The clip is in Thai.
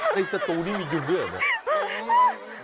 ในสตูดีมียุงด้วยบอก